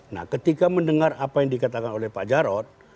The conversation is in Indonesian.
nah ketika mendengar apa yang dikatakan oleh pak jarod